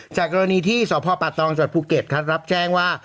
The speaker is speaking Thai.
จากกรณีที่สอบพ่อปาตรองจอดภูเก็ตครับรับแจ้งว่า